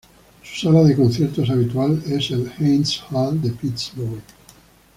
Su sala de conciertos habitual es el Heinz Hall de Pittsburgh.